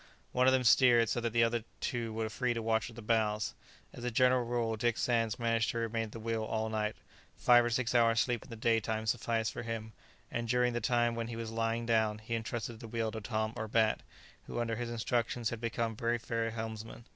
One of them steered so that the other two were free to watch at the bows. As a general rule Dick Sands managed to remain at the wheel all night; five or six hours' sleep in the daytime sufficed for him, and during the time when he was lying down he entrusted the wheel to Tom or Bat, who under his instructions had become very fair helmsmen.